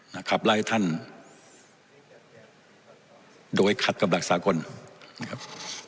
นะครับไล่ท่านโดยขัดกับหลักสากลนะครับ